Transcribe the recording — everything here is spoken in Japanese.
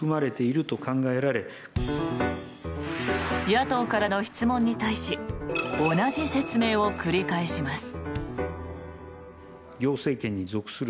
野党からの質問に対し同じ説明を繰り返します。